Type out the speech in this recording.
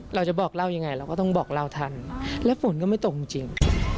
เราจะบอกเล่ายังไงเราก็ต้องบอกเราทันและฝนก็ไม่ตกจริง